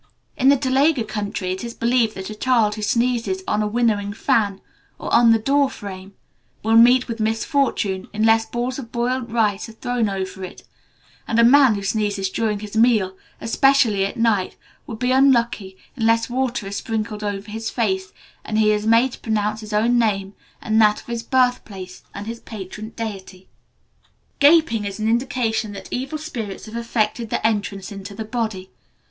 In the Teluga country it is believed that a child who sneezes on a winnowing fan, or on the door frame, will meet with misfortune unless balls of boiled rice are thrown over it; and a man who sneezes during his meal, especially at night, will also be unlucky unless water is sprinkled over his face, and he is made to pronounce his own name, and that of his birthplace and his patron deity. Gaping is an indication that evil spirits have effected an entrance into the body.